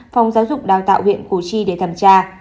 phòng giáo dục đào tạo huyện củ chi để thẩm tra